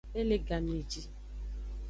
E le game ji.